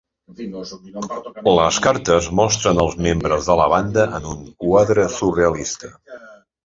Les cartes mostren els membres de la banda en un quadre surrealista.